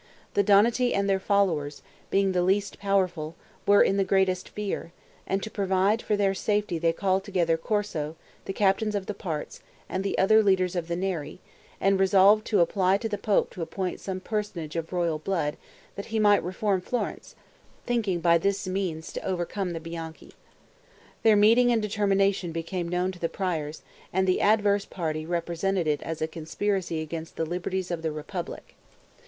The Donati and their followers, being the least powerful, were in the greatest fear, and to provide for their safety they called together Corso, the Captains of the Parts, and the other leaders of the Neri, and resolved to apply to the pope to appoint some personage of royal blood, that he might reform Florence; thinking by this means to overcome the Bianchi. Their meeting and determination became known to the Priors, and the adverse party represented it as a conspiracy against the liberties of the republic.